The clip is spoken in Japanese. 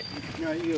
いいよ。